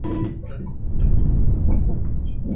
Vyakula ni utamaduni mkubwa wa kisiwa cha Zanzibar